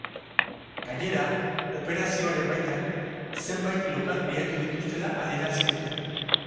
Gainera, operazioaren baitan, zenbait lokal miatu dituztela adierazi dute.